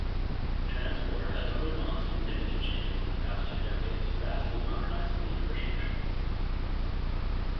Transport has undergone significant changes in the past two decades, vastly modernizing the infrastructure.